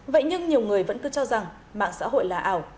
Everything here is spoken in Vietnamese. vậy nhưng nhiều người vẫn cứ cho rằng mạng xã hội là ảo